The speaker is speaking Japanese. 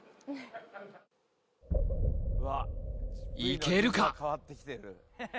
いけるか？